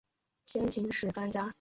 先秦史专家。